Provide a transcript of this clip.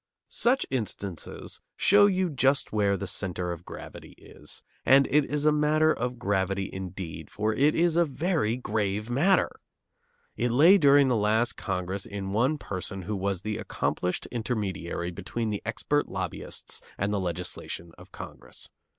Such instances show you just where the centre of gravity is, and it is a matter of gravity indeed, for it is a very grave matter! It lay during the last Congress in the one person who was the accomplished intermediary between the expert lobbyists and the legislation of Congress.